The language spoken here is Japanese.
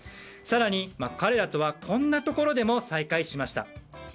更に、彼らとはこんなところでも再会しました。